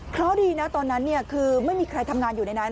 เพราะดีนะตอนนั้นคือไม่มีใครทำงานอยู่ในนั้น